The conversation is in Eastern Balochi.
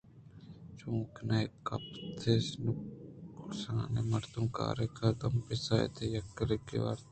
چوں کنئے کپیس؟ نُقص مرد کارے دم پہ ساعت یک کَکّے ءَ وارت